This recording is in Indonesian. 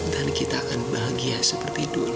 dan kita akan bahagia seperti dulu